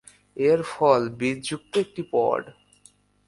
এর ফল বীজযুক্ত একটি পড।